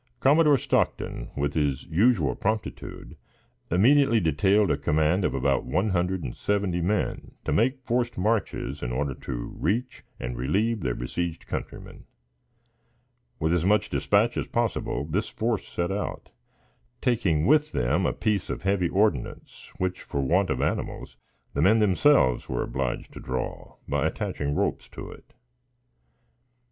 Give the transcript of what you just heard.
Commodore Stockton, with his usual promptitude, immediately detailed a command of about one hundred and seventy men to make forced marches in order to reach and relieve their besieged countrymen. With as much dispatch as possible, this force set out, taking with them a piece of heavy ordnance, which, for want of animals, the men themselves were obliged to draw, by attaching ropes to it.